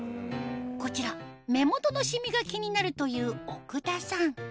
こちら目元のシミが気になるという奥田さん